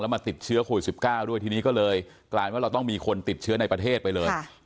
มาติดเชื้อโควิด๑๙ด้วยทีนี้ก็เลยกลายว่าเราต้องมีคนติดเชื้อในประเทศไปเลย